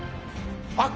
あっ！